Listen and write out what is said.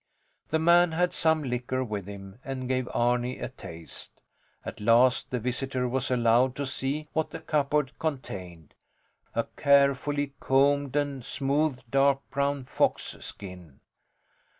The man had some liquor with him and gave Arni a taste. At last the visitor was allowed to see what the cupboard contained a carefully combed and smoothed dark brown fox skin.